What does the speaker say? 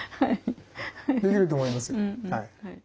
できると思いますよ。